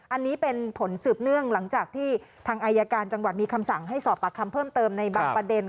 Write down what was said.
อันนี้เป็นผลสืบเนื่องหลังจากที่ทางอายการจังหวัดมีคำสั่งให้สอบปากคำเพิ่มเติมในบางประเด็น